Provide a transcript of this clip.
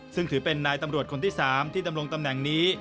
ซึ่งถือเป็นนายตำรวจคนที่๓ที่ดำรงตำแหน่งนี้